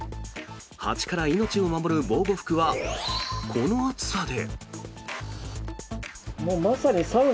蜂から命を守る防護服はこの暑さで。